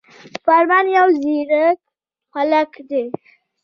فرمان يو ځيرک هلک دی